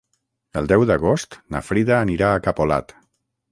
El deu d'agost na Frida anirà a Capolat.